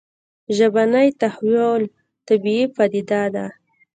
ژبني تحول طبیعي پديده ده